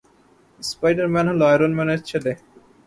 Spider Man হলো Iron ম্যানের ছেলে।